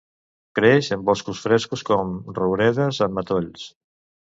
Creix en boscos frescos com rouredes, en matolls.